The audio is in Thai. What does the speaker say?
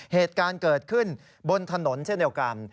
เหตุการณ์เกิดขึ้นบนถนนเช่นเดียวกัน